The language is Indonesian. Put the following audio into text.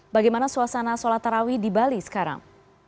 bagaimana suasana sholat tarawih di bali sekarang